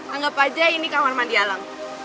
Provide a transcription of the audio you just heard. anggap aja ini kamar mandi alam